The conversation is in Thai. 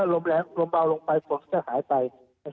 ลมแรงลมเบาลงไปฝนก็หายไป